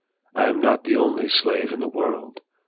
I am not the only slave in the world.